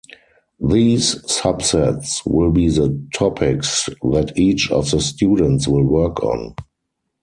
These subsets will be the topics that each of the students will work on.